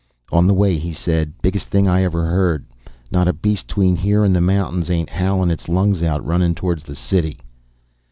"On the way," he said. "Biggest thing I 'ver heard. Not a beast 'tween here and the mountains, ain't howlin' 'is lungs out, runnin' towards the city."